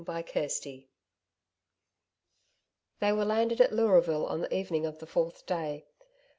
CHAPTER 4 They were landed at Leuraville on the evening of the fourth day.